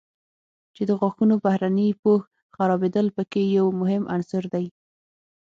چې د غاښونو بهرني پوښ خرابېدل په کې یو مهم عنصر دی.